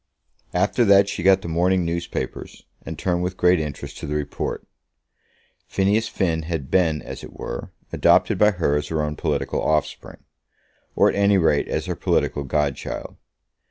After that she got the morning newspapers, and turned with great interest to the report. Phineas Finn had been, as it were, adopted by her as her own political offspring, or at any rate as her political godchild.